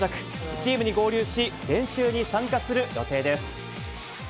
チームに合流し、練習に参加する予定です。